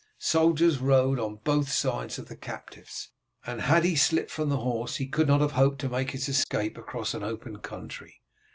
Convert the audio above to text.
Soldiers rode on both sides of the captives, and had he slipped from the horse he could not have hoped to make his escape across an open country.